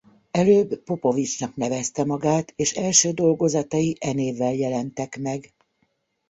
Előbb Popovicsnak nevezte magát és első dolgozatai e névvel jelentek meg.